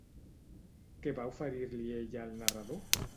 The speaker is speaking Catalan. Què va oferir-li ella al narrador?